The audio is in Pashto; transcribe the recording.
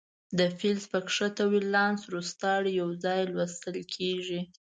د فلز په ښکته ولانس روستاړي یو ځای لوستل کیږي.